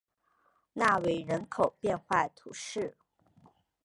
纳韦人口变化图示